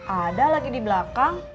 ada lagi di belakang